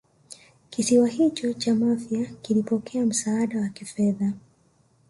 kisiwa hicho cha Mafia kilipokea msaada wa kifedha